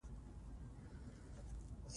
بادام د افغانستان په اوږده تاریخ کې ذکر شوی دی.